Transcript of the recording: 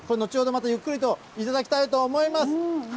またゆっくりと頂きたいと思います。